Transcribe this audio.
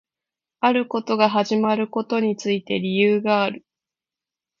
あることが始まることについて理由がある